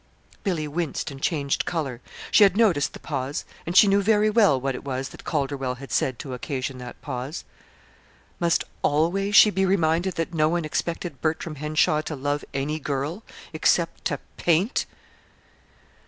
Billy winced and changed color. She had noticed the pause, and she knew very well what it was that Calderwell had said to occasion that pause. Must always she be reminded that no one expected Bertram Henshaw to love any girl except to paint?